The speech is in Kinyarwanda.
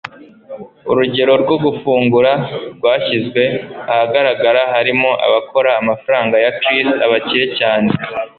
Urugero rwo gufungura rwashyizwe ahagaragara harimo abakora amafaranga ya chris abakire cyane.